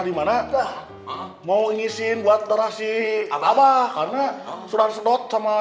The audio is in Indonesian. kita doain saja si abah biar semua